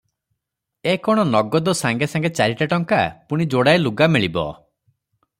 ଏ କ’ଣ ନଗଦ ସାଙ୍ଗେ ସାଙ୍ଗେ ଚାରିଟା ଟଙ୍କା, ପୁଣି ଯୋଡ଼ାଏ ଲୁଗା ମିଳିବ ।